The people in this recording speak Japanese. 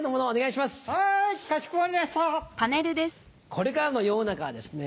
これからの世の中はですね